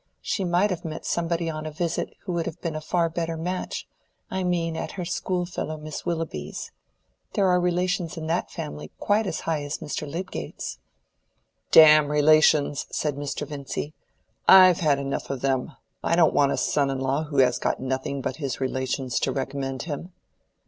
She might have met somebody on a visit who would have been a far better match; I mean at her schoolfellow Miss Willoughby's. There are relations in that family quite as high as Mr. Lydgate's." "Damn relations!" said Mr. Vincy; "I've had enough of them. I don't want a son in law who has got nothing but his relations to recommend him."